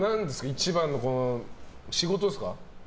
一番の仕事ですか。